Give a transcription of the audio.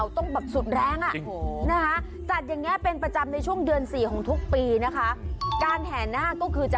ต้องแบบสุดแรงนะจัดยังงี้เป็นประจำในช่วงเดือน๔ของทุกปีนะคะ